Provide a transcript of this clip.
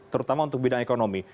terutama untuk bidang ekonomi